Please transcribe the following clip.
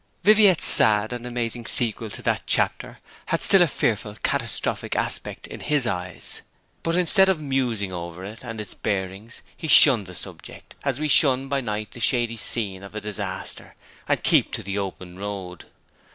Viviette's sad and amazing sequel to that chapter had still a fearful, catastrophic aspect in his eyes; but instead of musing over it and its bearings he shunned the subject, as we shun by night the shady scene of a disaster, and keep to the open road.